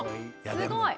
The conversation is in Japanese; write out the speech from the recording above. すごい。